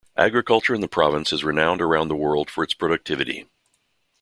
Agriculture in the province is renowned around the world for its productivity.